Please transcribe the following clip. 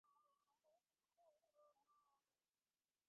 রাজা কহিলেন, শাস্ত্রে বিধি কেই বা পালন করে।